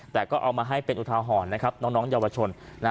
แต่ก็เอามาให้เป็นอุทาหรณ์นะครับน้องเยาวชน